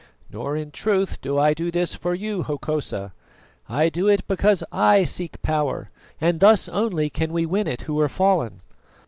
Nor in truth do I do this for you, Hokosa; I do it because I seek power, and thus only can we win it who are fallen.